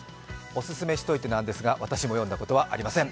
おすすめしておいて何ですが私も読んだことはありません